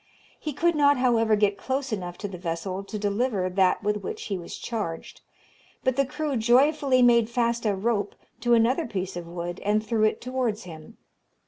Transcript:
He could not, however, get close enough to the vessel to deliver that with which he was charged, but the crew joyfully made fast a rope to another piece of wood, and threw it towards him.